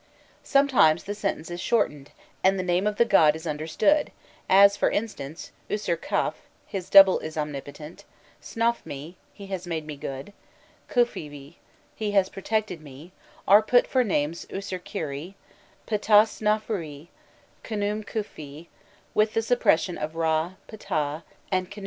Sometimes the sentence is shortened, and the name of the god is understood: as for instance, "Ûsirkaf," his double is omnipotent; "Snofmi," he has made me good; "Khûfïïi," he has protected me, are put for the names "Usirkerî," "Ptahsnofrûi," "Khnûmkhûfûi," with the suppression of Râ, Phtah, and Khnûrnû.